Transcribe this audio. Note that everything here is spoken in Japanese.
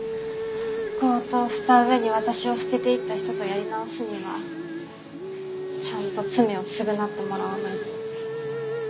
強盗した上に私を捨てていった人とやり直すにはちゃんと罪を償ってもらわないと。